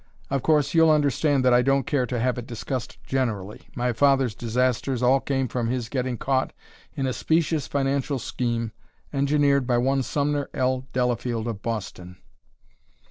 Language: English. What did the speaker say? Of course, you'll understand that I don't care to have it discussed generally. My father's disasters all came from his getting caught in a specious financial scheme engineered by one Sumner L. Delafield of Boston."